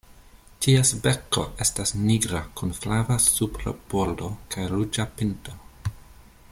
Ties beko estas nigra kun flava supra bordo kaj ruĝa pinto.